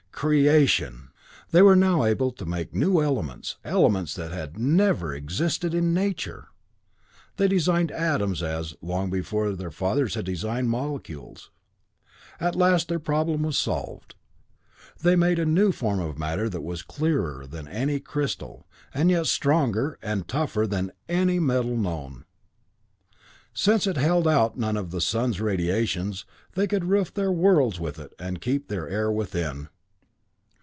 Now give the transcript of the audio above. Creation! They were now able to make new elements, elements that had never existed in nature! They designed atoms as, long before, their fathers had designed molecules. At last their problem was solved. They made a new form of matter that was clearer than any crystal, and yet stronger and tougher than any metal known. Since it held out none of the sun's radiations, they could roof their worlds with it and keep their air within!